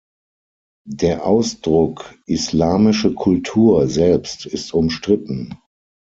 Der Ausdruck "islamische Kultur" selbst ist umstritten.